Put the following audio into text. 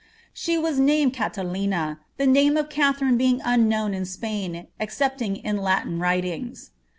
She was named Catalina, the name of Katharine being unknown in Spain, excepting in Latin writings.